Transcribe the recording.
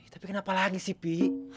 tapi kenapa lagi sih bi